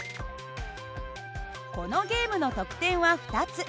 このゲームの得点は２つ。